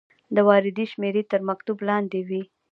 د واردې شمیره تر مکتوب لاندې وي.